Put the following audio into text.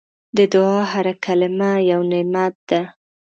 د دعا هره کلمه یو نعمت ده.